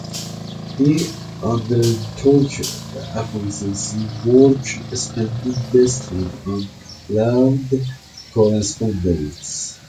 He undertook accountancy work, spending less time on learned correspondence.